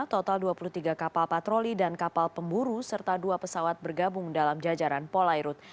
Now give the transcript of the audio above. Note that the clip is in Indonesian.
total dua puluh tiga kapal patroli dan kapal pemburu serta dua pesawat bergabung dalam jajaran polairut